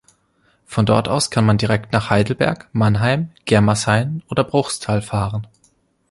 Von dort aus kann man direkt nach Heidelberg, Mannheim, Germersheim oder Bruchsal fahren.